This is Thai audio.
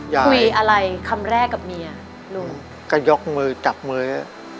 คุยอะไรคำแรกกับเมียลุงก็ยกมือจับมือ